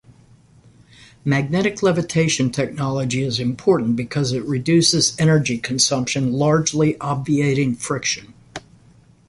Magnetic levitation technology is important because it reduces energy consumption, largely obviating friction.